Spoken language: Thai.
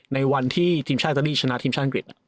ในวันที่ทีมชายอัตตีชนะทีมชายอังกฤษ